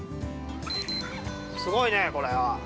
◆すごいね、これは。